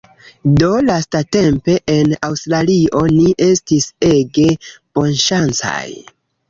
Do lastatempe en Aŭstralio ni estis ege bonŝancaj